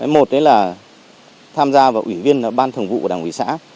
một là tham gia vào ủy viên ban thường vụ đảng ủy xã